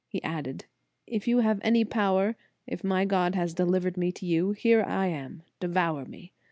He added: If you have any power, if my God has delivered me to you, here I am, devour me.